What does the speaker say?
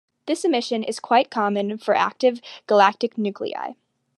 This emission is quite common for active galactic nuclei.